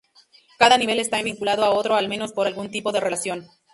Cada nivel está vinculado a otro al menos por algún tipo de relación.